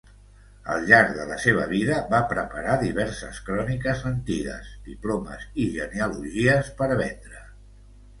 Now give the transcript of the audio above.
Al llarg de la seva vida va preparar diverses cròniques "antigues", diplomes i genealogies per vendre.